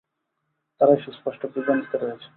তারাই সুস্পষ্ট বিভ্রান্তিতে রয়েছে।